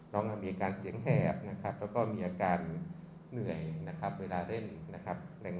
น้องมีอาการเสียงแหบนะครับแล้วก็มีอาการเหนื่อยนะครับเวลาเล่นนะครับ